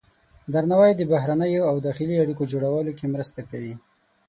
درناوی د بهرنیو او داخلي اړیکو جوړولو کې مرسته کوي.